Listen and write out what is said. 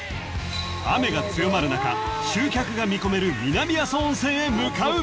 ［雨が強まる中集客が見込める南阿蘇温泉へ向かう］